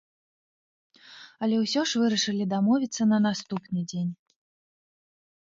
Але ўсё ж вырашылі дамовіцца на наступны дзень.